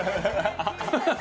ハハハハ！